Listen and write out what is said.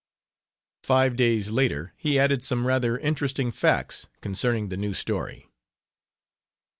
Five days later he added some rather interesting facts concerning the new story.